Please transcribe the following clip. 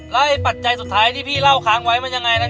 และปัจจัยสุดท้ายที่พี่เล่าค้าไว้มันยังไงเนี่ย